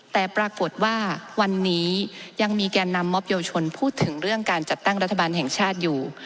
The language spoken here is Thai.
แต่ปรากฏว่าวันนี้ยังมีแก่นำมอบเยาวชนพูดถึงเรื่องการจัดตั้งรัฐบาลแห่งชาติอยู่